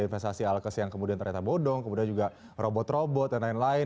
investasi alkes yang kemudian ternyata bodong kemudian juga robot robot dan lain lain